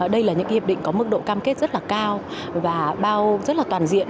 đây là những hiệp định có mức độ cam kết rất là cao và rất là toàn diện